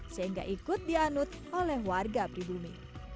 sehingga ikut dianut oleh warga pribumi